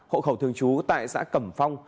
hộ khẩu thường trú tại xã cẩm phong